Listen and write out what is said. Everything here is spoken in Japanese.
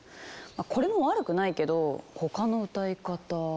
これも悪くないけど他の歌い方。